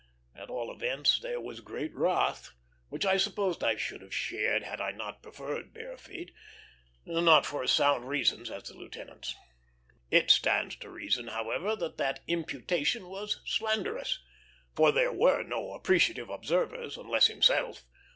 At all events, there was great wrath, which I supposed I should have shared had I not preferred bare feet not for as sound reasons as the lieutenant's. It stands to reason, however, that that imputation was slanderous, for there were no appreciative observers, unless himself.